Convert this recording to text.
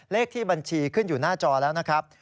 เลขที่บัญชีขึ้นอยู่หน้าจอแล้วนะครับ